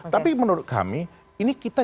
tapi menurut kami ini kita